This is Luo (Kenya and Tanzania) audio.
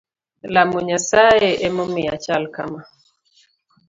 Lamo Nyasaye emomiyo achal kama